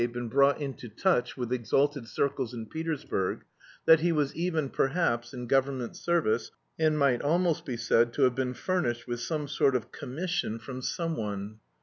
been brought into touch with exalted circles in Petersburg, that he was even, perhaps, in government service, and might almost be said to have been furnished with some sort of commission from someone.